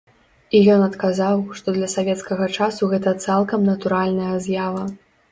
І ён адказаў, што для савецкага часу гэта цалкам натуральная з'ява.